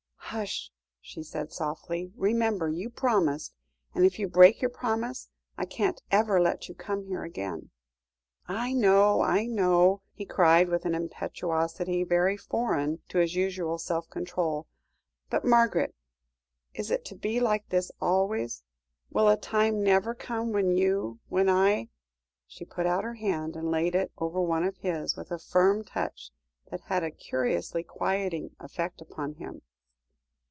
"Hush!" she said softly. "Remember you promised; and if you break your promise, I can't ever let you come here again." "I know I know!" he cried, with an impetuosity very foreign to his usual self control; "but, Margaret, is it to be like this always? Will a time never come when you when I " She put out her hand and laid it over one of his, with a firm touch that had a curiously quieting effect upon him.